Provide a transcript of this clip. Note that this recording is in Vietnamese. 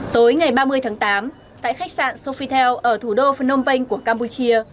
tối ngày ba mươi tháng tám tại khách sạn sofitel ở thủ đô phnom penh của campuchia